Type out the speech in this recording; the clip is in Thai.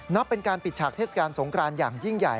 นับเป็นการปิดฉากเทศกาลสงครานอย่างยิ่งใหญ่